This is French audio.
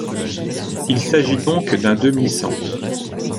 Il s'agit donc d'un demi-sang.